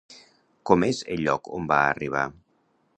Com és el lloc on va arribar?